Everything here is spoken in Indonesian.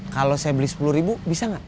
kalau saya beli sepuluh ribu bisa gak